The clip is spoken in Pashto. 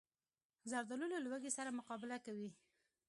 زردالو له لوږې سره مقابله کوي.